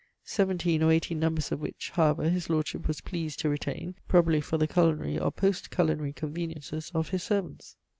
Seventeen or eighteen numbers of which, however, his Lordship was pleased to retain, probably for the culinary or post culinary conveniences of his servants.